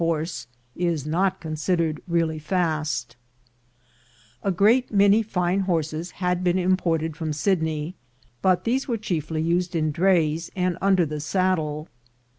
horse" is not considered really fast, A great many very fine horses had been imported from Sydney, but these were chiefly used in drays and under the saddle.